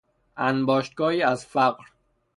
انباشتگاهی از فقر